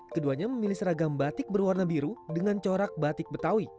keduanya memilih seragam batik berwarna biru dengan corak batik betawi